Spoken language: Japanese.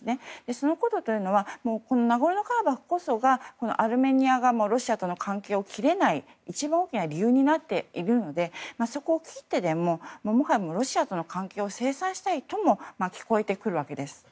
そのことというのはナゴルノカラバフこそがアルメニアがロシアとの関係を切れない一番大きな理由になっているのでそこを切ってでももはやロシアとの関係を清算したいとも聞こえてくるわけです。